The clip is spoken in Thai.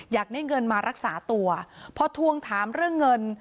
อยากได้เงินมารักษาตัวพอทวงถามเรื่องเงิน